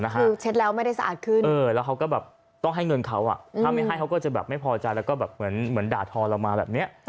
คือเช็ดแล้วไม่ได้สะอาดขึ้นเออแล้วต้องให้เงินเขา